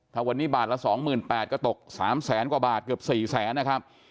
ถ้าวันนี้บาทละ๒๘๐๐ก็ตก๓แสนกว่าบาทเกือบ๔แสนนะครับ